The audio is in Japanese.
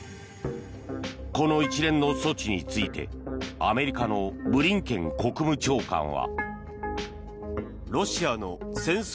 この一連の措置についてアメリカのブリンケン国務長官は。